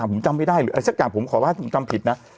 สักอย่างผมจำไม่ได้อ่ะสักอย่างผมขอให้คุณจำผิดนะ